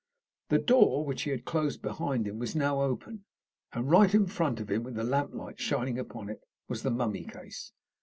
The door, which he had closed behind him, was now open, and right in front of him, with the lamp light shining upon it, was the mummy case.